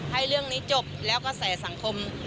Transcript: ให้เรื่องนี้จบแล้วกระแสสังคม